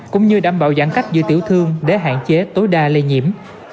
cũng như đảm bảo giãn cách giữa tiểu thương để hạn chế tối đa lây nhiễm